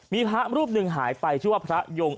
มีพระรูปหนึ่งหายไปชื่อว่าพระยง